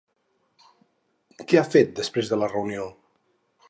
Què ha fet després de la reunió?